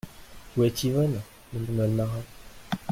Où est Yvonne ? demanda le marin.